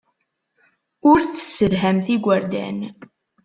Ur tessedhamt igerdan.